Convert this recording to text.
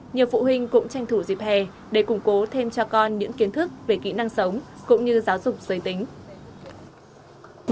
nhiều phụ huynh cũng tranh thủ dịp hè để củng cố thêm cho con những kiến thức về kỹ năng sống cũng như giáo dục giới tính